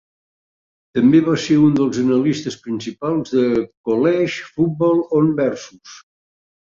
També va ser un dels analistes principals de "College Football on Versus".